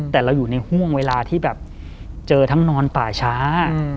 แต่เราอยู่ในห่วงเวลาที่แบบเจอทั้งนอนป่าช้า